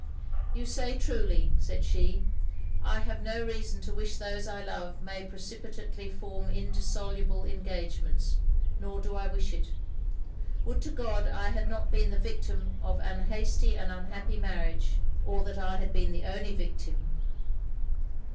'You say truly,' said she. 'I have no reason to wish those I love may precipitately form indissoluble engagements; nor do I wish it. Would to God I had not been the victim of an hasty and unhappy marriage; or that I had been the only victim.